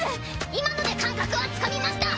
今ので感覚はつかみました。